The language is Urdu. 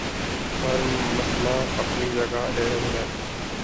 ہر مسئلہ اپنی جگہ اہم ہے۔